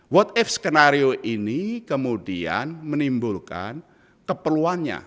what ip skenario ini kemudian menimbulkan keperluannya